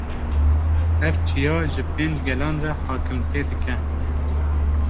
Ev çiya ji pênc gelan re hakimtê dike